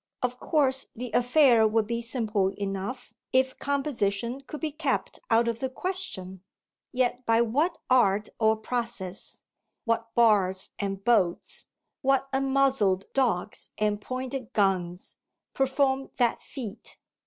Of course the affair would be simple enough if composition could be kept out of the question; yet by what art or process, what bars and bolts, what unmuzzled dogs and pointed guns, perform that feat?